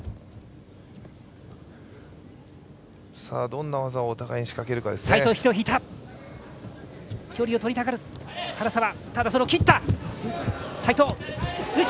どんな技をお互い仕掛けるかですね。